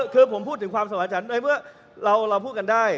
คือผมพูดถึงความสมาชันเพราะว่าเราพูดกันได้